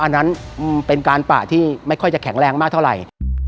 อันนั้นเป็นการปะที่ไม่ค่อยจะแข็งแรงมากเท่าไหร่